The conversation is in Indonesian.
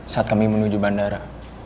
saat kami menuju bandara